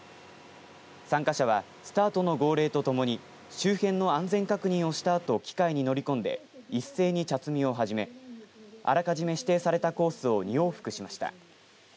参加者はスタートの号令とともに周辺の安全確認をしたあと機械に乗り込んで一斉に茶摘みを始めあらかじめ指定されたコースを２往復しました。